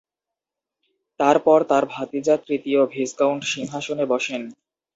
তার পর তার ভাতিজা তৃতীয় ভিসকাউন্ট সিংহাসনে বসেন।